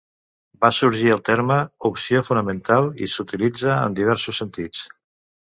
Va sorgir el terme "opció fonamental" i s'utilitza en diversos sentits.